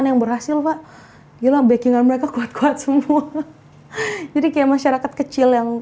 yang berhasil pak gila backing an mereka kuat kuat semua jadi kayak masyarakat kecil yang